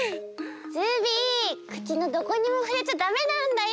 ズビー口のどこにもふれちゃダメなんだよ！